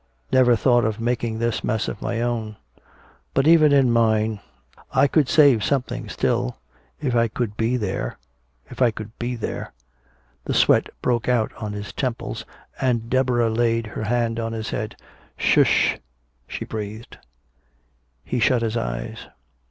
Never thought of making this mess of my own! But even in mine I could save something still if I could be there if I could be there " The sweat broke out on his temples, and Deborah laid her hand on his head. "Sh h h," she breathed. He shut his eyes.